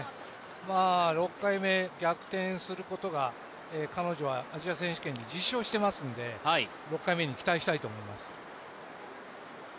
６回目、逆転することが彼女はアジア選手権で実証していますので６回目に期待したいと思います。